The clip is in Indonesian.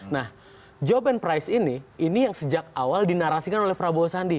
nah job and price ini ini yang sejak awal dinarasikan oleh prabowo sandi